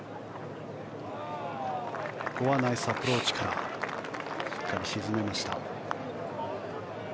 ここはナイスアプローチからしっかり沈めました。